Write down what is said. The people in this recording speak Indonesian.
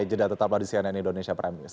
jeda tetaplah di cnn indonesia prime news